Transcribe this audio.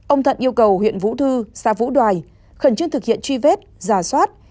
ông thận yêu cầu huyện vũ thư xã vũ đoài khẩn trương thực hiện truy vết giả soát